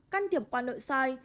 căn thiệp qua nội soi